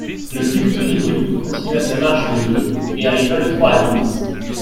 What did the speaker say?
Le duc de Rivoli continua sa marche le deux, et arriva le trois à Lintz.